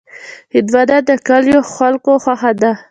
هندوانه د کلیو خلکو خوښه ده.